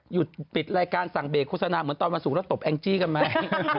หยุดปิดรายการสั่งเบรกโฆษณาเหมือนตอนวันศุกร์แล้วตบแองจี้กันไหม